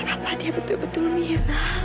apa dia betul betul mirna